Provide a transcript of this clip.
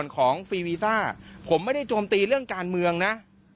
ของฟรีวีซ่าผมไม่ได้โจมตีเรื่องการเมืองนะ